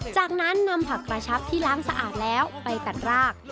จากนั้นนำผักกระชับที่ล้างสะอาดแล้วไปตัดราก